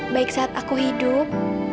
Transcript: baik saat aku hidup